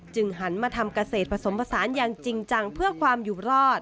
หันมาทำเกษตรผสมผสานอย่างจริงจังเพื่อความอยู่รอด